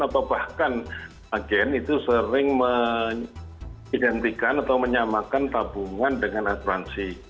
atau bahkan agen itu sering mengidentikan atau menyamakan tabungan dengan asuransi